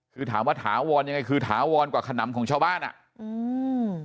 คือถามว่าถาวรยังไงคือถาวรกว่าขนำของชาวบ้านอ่ะอืม